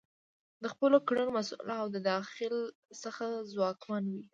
د خپلو کړنو مسؤل او د داخل څخه ځواکمن وي.